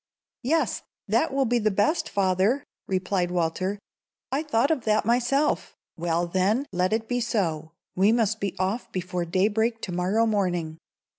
"Yes; that will be the best, father," replied Walter. "I thought of that myself." "Well, then, let it be so. We must be off before daybreak to morrow morning."